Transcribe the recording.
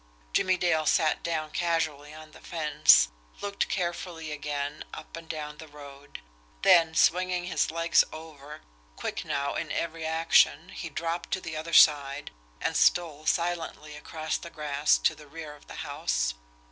Jimmie Dale sat down casually on the fence, looked carefully again up and down the road then, swinging his legs over, quick now in every action, he dropped to the other side, and stole silently across the grass to the rear of the house.